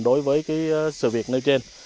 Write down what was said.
đối với cái sự việc nơi trên